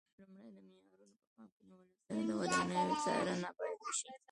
لومړی د معیارونو په پام کې نیولو سره د ودانیو څارنه باید وشي.